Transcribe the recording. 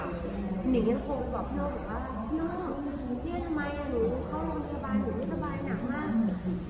หนึ่งยังโฟนก็บอกพี่โน้ยว่าพี่โน้ยเนี่ยทำไมอ่ะหนูเข้าโรงพยาบาลหนูไม่สบายหนักมาก